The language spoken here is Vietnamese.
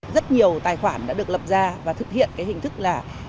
rất nhiều tài khoản đã được lập ra và thực hiện cái hình thức là